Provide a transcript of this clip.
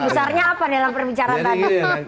menu besarnya apa dalam pembicaraan